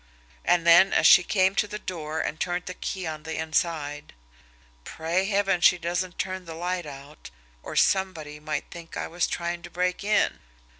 And then, as she came to the door and turned the key on the inside: "Pray Heaven she doesn't turn the light out or somebody might think I was trying to break in!"